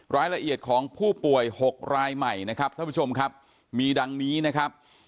รายละเอียดของผู้ป่วยหกรายใหม่นะครับท่านผู้ชมครับมีดังนี้นะครับ